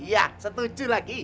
ya setuju lagi